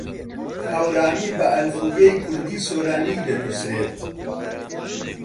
هەورامی بە ئەلفوبێی کوردیی سۆرانی دەنووسرێت.